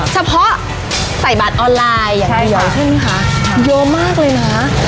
เฉพาะใส่บัตรออนไลน์อย่างนี้ค่ะใช่ใช่นี่ค่ะโยมมากเลยน่ะ